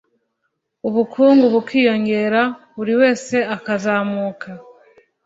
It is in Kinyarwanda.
ubukungu bukiyongera bri wese akazamuka